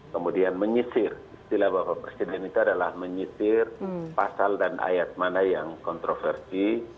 kemudian menyisir istilah bapak presiden itu adalah menyisir pasal dan ayat mana yang kontroversi